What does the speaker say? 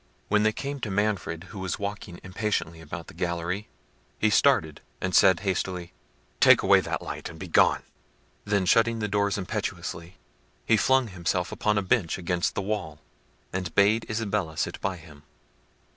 When they came to Manfred, who was walking impatiently about the gallery, he started, and said hastily— "Take away that light, and begone." Then shutting the door impetuously, he flung himself upon a bench against the wall, and bade Isabella sit by him.